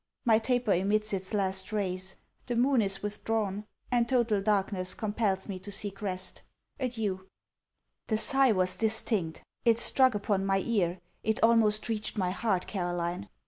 My taper emits its last rays. The moon is withdrawn; and total darkness compels me to seek rest Adieu! The sigh was distinct. It struck upon my ear. It almost reached my heart, Caroline.